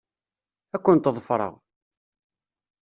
Ad kent-ḍefṛeɣ.